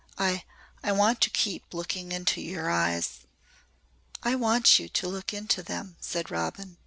I I want to keep looking into your eyes." "I want you to look into them," said Robin.